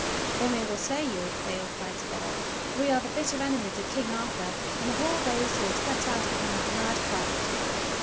"Then we will slay you!" they all cried together, "for we are the bitter enemies of King Arthur, and of all those who have set out upon that mad Quest."